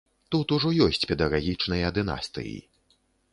Тут ужо ёсць педагагічныя дынастыі.